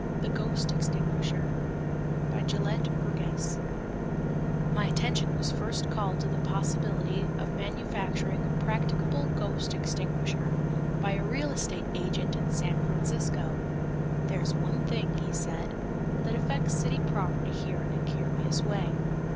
The Ghost Extinguisher BY GELETT BURGESS My attention was first called to the possibility of manufacturing a practicable ghost extinguisher by a real estate agent in San Francisco. "There's one thing," he said, "that affects city property here in a curious way.